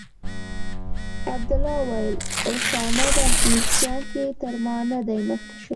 عبدالله وویل: اسامه په هیڅ جنګ کې تر ما نه دی مخکې شوی.